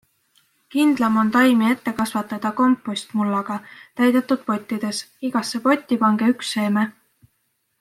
Kindlam on taimi ette kasvatada kompostmullaga täidetud pottides, igasse potti pange üks seeme.